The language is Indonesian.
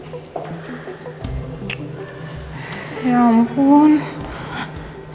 sampai sekarang elsa juga gak ngerespon semua telpon aku